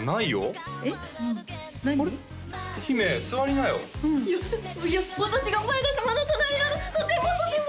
姫座りなよいや私が前田様の隣などとてもとても！